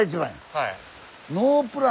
はい。